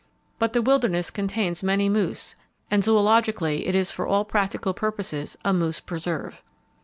But the wilderness contains many moose, and zoologically, it is for all practical purposes a moose preserve.